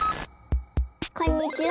こんにちは！